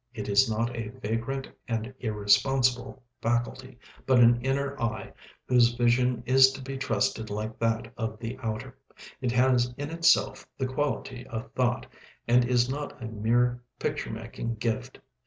It is not a vagrant and irresponsible faculty, but an inner eye whose vision is to be trusted like that of the outer; it has in itself the quality of thought, and is not a mere picture making gift.